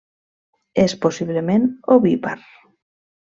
És possiblement ovípar.